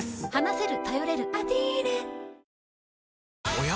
おや？